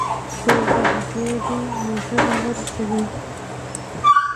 د زاهدي دوی موټر راورسېد.